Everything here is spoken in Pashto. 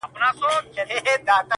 کډه ستا له کلي بارومه نور ،